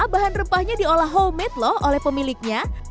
bahan rempahnya diolah homemade loh oleh pemiliknya